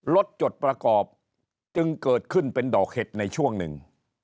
จดประกอบจึงเกิดขึ้นเป็นดอกเห็ดในช่วงหนึ่ง